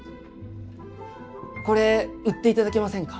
これ売って頂けませんか